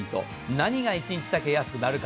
何が１つだけ安くなるか。